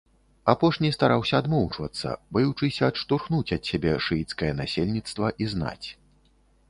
Апошні стараўся адмоўчвацца, баючыся адштурхнуць ад сябе шыіцкае насельніцтва і знаць.